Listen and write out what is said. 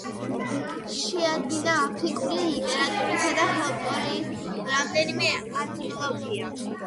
შეადგინა აფრიკული ლიტერატურისა და ფოლკლორის რამდენიმე ანთოლოგია.